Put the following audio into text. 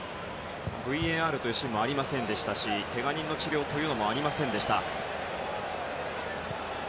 ＶＡＲというシーンもありませんしけが人の治療もありませんでした。